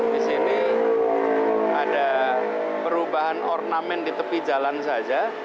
di sini ada perubahan ornamen di tepi jalan saja